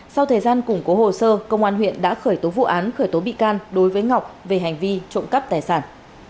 sau thời gian củng cố hồ sơ công an huyện đã khởi tố vụ án khởi tố bị can đối với ngọc về hành vi trộm cắp tài sản